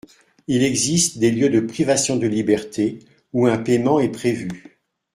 Il existe des lieux de privation de liberté où un paiement est prévu.